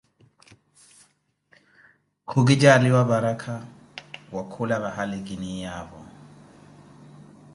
Ku ki jaaliwa paraka, wakula vahali ki niiyaavo.